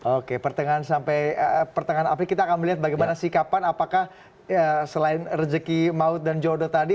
oke pertengahan sampai pertengahan april kita akan melihat bagaimana sikapan apakah selain rezeki maut dan jodoh tadi